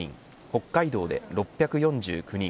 北海道で６４９人